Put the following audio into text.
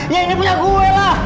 dia ini punya gue lah